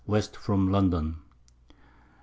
West from London.